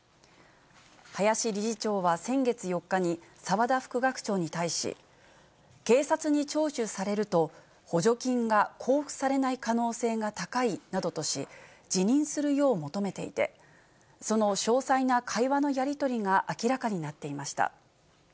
林理事長は先月４日に、澤田副学長に対し、警察に聴取されると、補助金が交付されない可能性が高いなどとし、辞任するよう求めていて、その詳細な会話のやり取りが明らかになっていました。